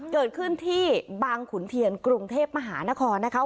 เกิดขึ้นที่บางขุนเทียนกรุงเทพมหานครนะคะ